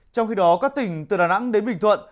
trong khi đó các tỉnh từ đà nẵng đến bình thuận